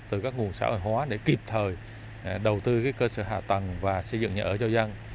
từ các nguồn xã hội hóa để kịp thời đầu tư cơ sở hạ tầng và xây dựng nhà ở cho dân